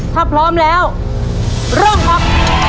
ถ้าพร้อมแล้วเริ่มครับ